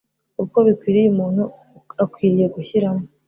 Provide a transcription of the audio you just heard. uko bikwiriye Umuntu akwiriye gushyiramo